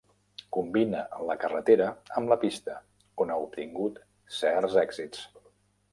Combina la carretera amb la pista, on ha obtingut certs èxits.